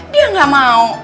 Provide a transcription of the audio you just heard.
dia gak mau